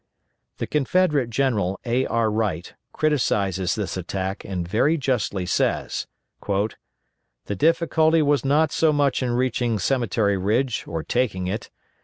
The Confederate General A. R. Wright criticises this attack and very justly says, "The difficulty was not so much in reaching Cemetery Ridge or taking it.